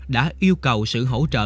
đã yêu cầu sự hỗ trợ